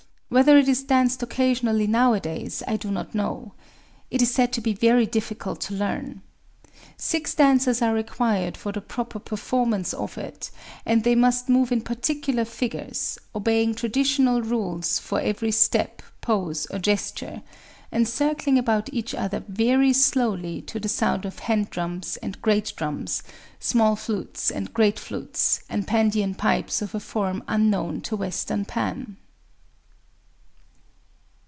Whether it is danced occasionally nowadays I do not know. It is said to be very difficult to learn. Six dancers are required for the proper performance of it; and they must move in particular figures,—obeying traditional rules for every step, pose, or gesture,—and circling about each other very slowly to the sound of hand drums and great drums, small flutes and great flutes, and pandean pipes of a form unknown to Western Pan.